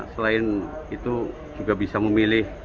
selain itu juga bisa memilih